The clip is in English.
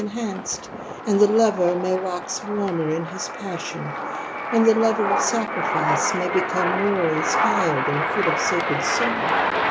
enhanced, and the lover may wax warmer in his passion, and that the lover of sacrifice nay become more inspired and full of sacred song?"